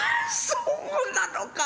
そうなのか！